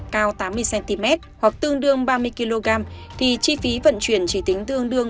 cao tám mươi cm hoặc tương đương ba mươi kg thì chi phí vận chuyển chỉ tính tương đương